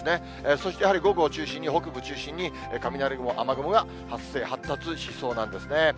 そしてやはり午後を中心に、北部中心に、雷雲、雨雲が発生、発達しそうなんですね。